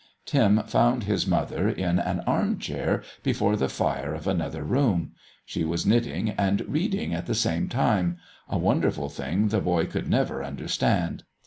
Tim found his mother in an arm chair before the fire of another room; she was knitting and reading at the same time a wonderful thing the boy could never understand.